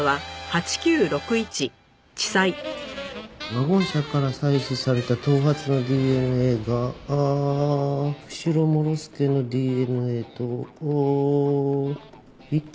ワゴン車から採取された頭髪のＤＮＡがあ釧路諸介のＤＮＡとお一致。